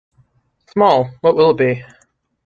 Small, what will it be?